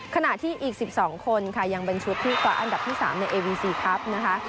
ขณะที่อีก๑๒คนค่ะยังเป็นชุดที่คว้าอันดับที่๓ในเอวีซีครับนะคะ